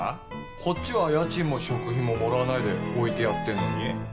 こっちは家賃も食費ももらわないで置いてやってるのに？